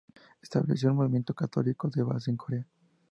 Estableció un movimiento católico de base en Corea.